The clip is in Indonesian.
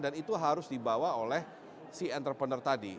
dan itu harus dibawa oleh si entrepreneur tadi